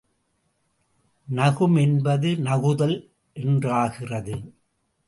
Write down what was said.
நகும் என்பது நகுதல் என்றாகிறது.